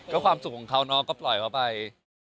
ก็ความสุขของเขาเนาะก็ปล่อยเขาไป